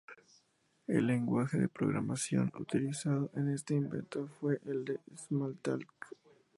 El lenguaje de programación utilizado en este invento fue el Smalltalk.